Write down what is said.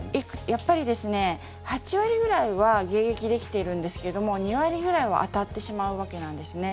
やっぱり８割ぐらいは迎撃できているんですけど２割ぐらいは当たってしまうわけなんですね。